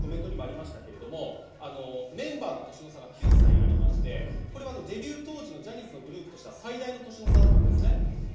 メンバーの年の差が９歳あって、デビュー当時のジャニーズのグループとして最大の歳の差です。